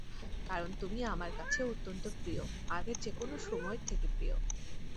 কারণ তুমি আমার কাছে অত্যন্ত প্রিয়, আগের যে কোনো সময়ের থেকে প্রিয়।